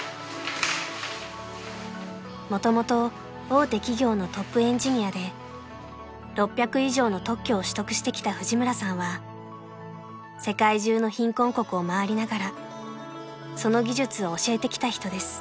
［もともと大手企業のトップエンジニアで６００以上の特許を取得してきた藤村さんは世界中の貧困国を回りながらその技術を教えてきた人です］